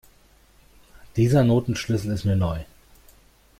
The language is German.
Dieser Notenschlüssel ist mir neu.